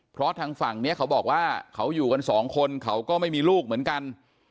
เพราะทางฝั่งนี้เขาบอกว่าเขาอยู่กันสองคนเขาก็ไม่มีลูกเหมือนกัน